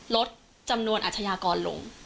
ลดจำนวนอาชญากรลง